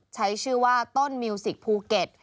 ใช้ชื่อว่าต้นมิวสิกภูเก็ต